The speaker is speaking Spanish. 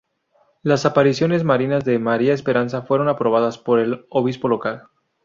Las apariciones marianas de María Esperanza fueron aprobadas por el obispo local.